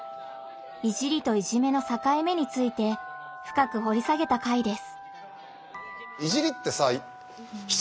「いじり」と「いじめ」のさかい目についてふかくほり下げた回です。